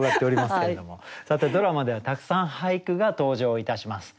さてドラマではたくさん俳句が登場いたします。